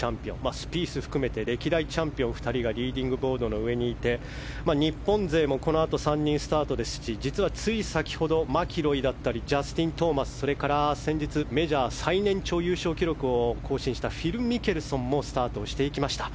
スピースを含めて歴代チャンピオンの２人がリーディングボードの上にいて日本勢もこのあと３人スタートですし実はつい先ほどマキロイジャスティン・トーマスそれから先日、メジャー最年長優勝記録を更新したフィル・ミケルソンもスタートしていきました。